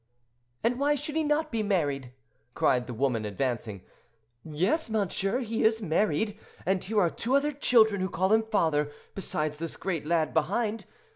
"And why should he not be married?" cried the woman advancing. "Yes, monsieur, he is married, and here are two other children who call him father, besides this great lad behind.